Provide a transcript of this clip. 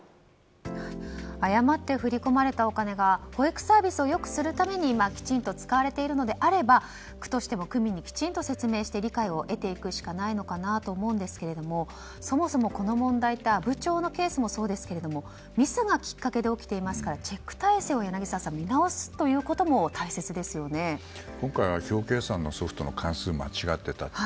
誤って振り込まれたお金が保育サービスを良くするためにきちんと使われているのであれば区としても区民にきちんと説明して理解を得ていくしかないと思うんですがそもそもこの問題って阿武町のケースもそうですけどミスがきっかけで起きていますからチェック体制を柳澤さん、見直すということも今回は表計算のソフトの関数が間違っていたと。